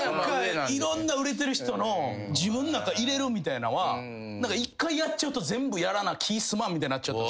いろんな売れてる人の自分の中入れるみたいなんは１回やっちゃうと全部やらな気済まんみたいになっちゃった。